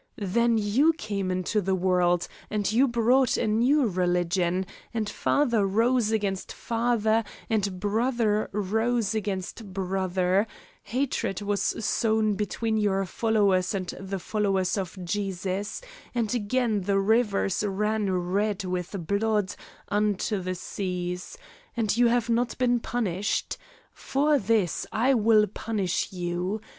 Then you came into the world, and you brought a new religion, and father rose against father, and brother rose against brother; hatred was sown between your followers and the followers of Jesus, and again the rivers ran red with blood unto the seas; and you have not been punished. For this I will punish you.